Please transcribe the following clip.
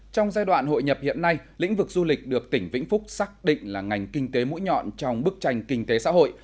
trong giai đoạn hội nhập hiện nay lĩnh vực du lịch được tỉnh vĩnh phúc xác định là ngành kinh tế mũi nhọn trong bức tranh kinh tế xã hội